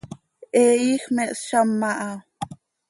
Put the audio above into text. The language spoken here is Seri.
He iij me hszam aha.